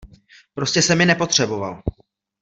Prostě jsem je nepotřeboval.